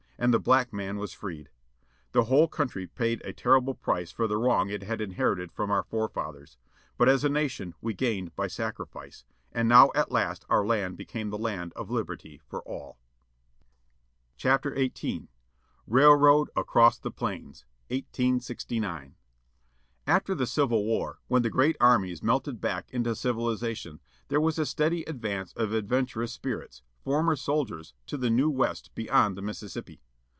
And the black man was freed. The whole country paid a terrible price for the wrong it had inherited from our forefathers. But as a nation we gained by the sacrifice. And now at last our land became the land of liberty for all. LINCOLN WklllNO lllE PKIXI.AMA TION WHICH KKEKU THE SLAVES RAILROAD ACROSS THE PLAINS, 1869 FTER the Civil War, when the great armies melted back into civiliza tion, there was a steady advance of adventurous spirits, former soldiers, to the new West beyond the Mississippi.